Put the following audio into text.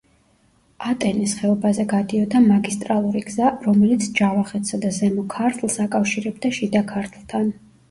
ატენის ხეობაზე გადიოდა მაგისტრალური გზა, რომელიც ჯავახეთსა და ზემო ქართლს აკავშირებდა შიდა ქართლთან.